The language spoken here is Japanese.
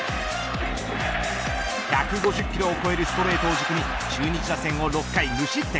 １５０キロを超えるストレートを軸に中日打線を６回無失点。